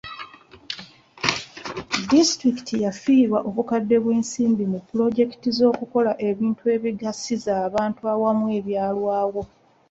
Disitulikiti yafiirwa obukadde bw'ensimbi mu pulojekiti z'okukola ebintu ebigasiza abantu awamu ebyalwawo.